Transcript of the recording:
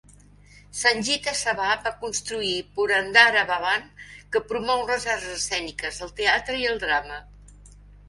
Sangeetha Sabha va construir Purandhara Bhavan que promou les arts escèniques, el teatre i el drama.